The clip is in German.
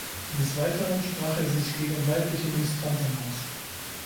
Des Weiteren sprach er sich gegen weibliche Ministranten aus.